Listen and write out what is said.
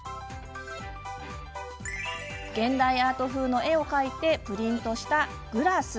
現代アート風の絵を描いてプリントしたグラス。